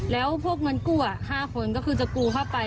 แล้วพวกเงินกู้๕คนก็คือจะกู้เข้าไป